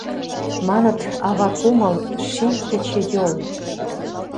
Маныт, ава кумыл — ший кечыйол.